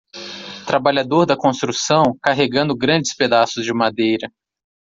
Trabalhador da Construção carregando grandes pedaços de madeira